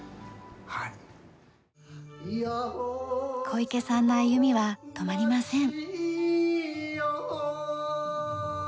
小池さんの歩みは止まりません。